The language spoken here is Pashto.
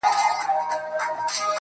په موږ کي بند دی.